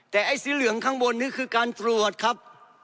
แต่ไอ้สีเหลืองข้างบนนี้คือการตรวจครับ